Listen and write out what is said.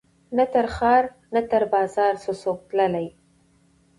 نه تر ښار نه تر بازاره سو څوک تللای